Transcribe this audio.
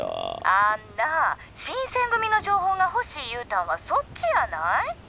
「あんなぁ新選組の情報が欲しいゆうたんはそっちやない？」。